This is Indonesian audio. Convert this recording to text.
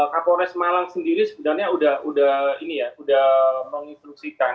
kapolres malang sendiri sebenarnya sudah menginfluksikan